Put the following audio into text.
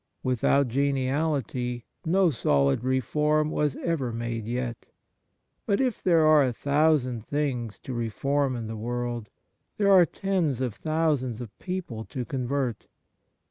Without geniality no solid reform was ever made yet. But if there are a thousand things to reform in the w orld, there are tens of thousands of people to convert.